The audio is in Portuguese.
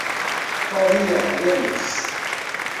Faria Lemos